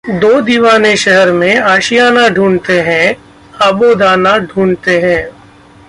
दो दीवाने शहर में, आशियाना ढूंढते हैं, आबो दाना ढूंढते हैं